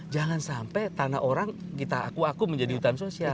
jangan sampai tanah orang kita aku aku menjadi hutan sosial